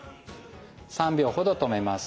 ３秒ほど止めます。